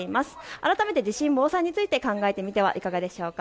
改めて地震防災について考えてみてはいかがでしょうか。